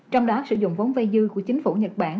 trong đó sử dụng vốn vay dư của chính phủ nhật bản